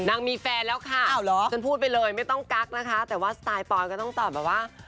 มีแฟนแล้วค่ะฉันพูดไปเลยไม่ต้องกักนะคะแต่ว่าสไตล์ปอยก็ต้องตอบแบบว่า